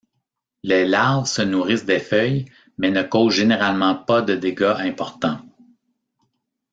Les larves se nourrissent des feuilles mais ne causent généralement pas de dégâts importants.